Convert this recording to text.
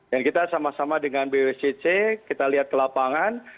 dan kita sama sama dengan bwcc kita lihat ke lapangan